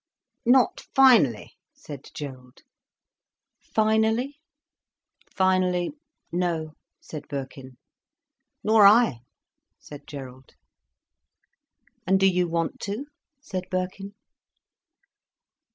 "Not finally?" said Gerald. "Finally—finally—no," said Birkin. "Nor I," said Gerald. "And do you want to?" said Birkin.